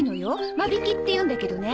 間引きっていうんだけどね。